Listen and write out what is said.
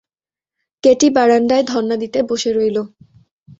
Katie বারাণ্ডায় ধন্না দিয়ে বসে রইল।